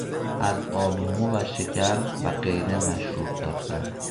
از آب لیمو و شکر و غیره مشروب ساختن